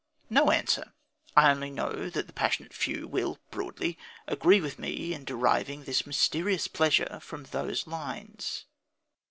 No answer! I only know that the passionate few will, broadly, agree with me in deriving this mysterious pleasure from those lines.